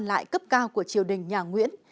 quan lại cấp cao của triều đình nhà nguyễn